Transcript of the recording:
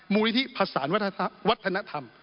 มุฬิภาษาวัฒนธรรม